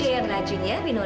di depan kononnya di luar